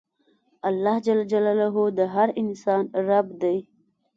اللهﷻ د هر انسان رب دی.